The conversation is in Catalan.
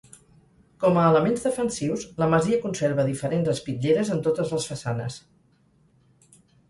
Com a elements defensius, la masia conserva diferents espitlleres en totes les façanes.